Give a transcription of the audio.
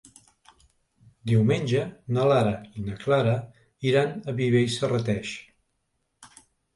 Diumenge na Lara i na Clara iran a Viver i Serrateix.